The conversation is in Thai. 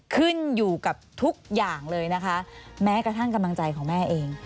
ขึ้นอยู่กับทุกอย่างเลยนะคะแม้กระทั่งกำลังใจของแม่เอง